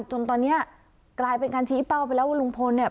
จนตอนนี้กลายเป็นการชี้เป้าไปแล้วว่าลุงพลเนี่ย